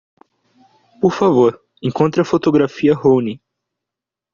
Por favor, encontre a fotografia Rounin.